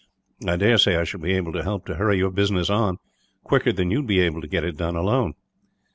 I daresay I shall be able to help to hurry your business on, quicker than you would be able to get it done, alone."